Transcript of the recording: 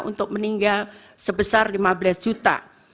untuk meninggal sebesar lima belas juta